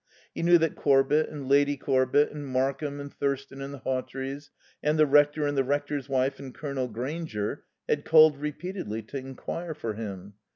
He knew that Corbett and Lady Corbett and Markham and Thurston and the Hawtreys, and the Rector and the Rector's wife and Colonel Grainger had called repeatedly to inquire for him.